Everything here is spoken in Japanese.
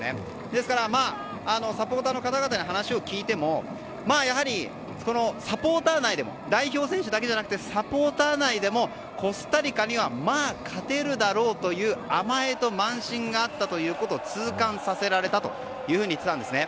ですから、サポーターの方々に話を聞いてもやはり、代表選手だけじゃなくサポーター内でもコスタリカには勝てるだろうと甘えと慢心があったということを痛感させられたというふうに言っていたんですね。